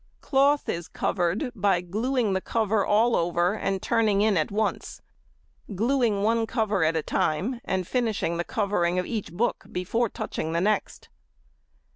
Cloth is covered by gluing the cover all over and turning in at once: gluing one cover at a time, and finishing the covering of each book before touching the next.